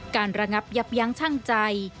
การระงับยับยังชั่งใจ